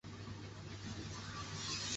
勒科人口变化图示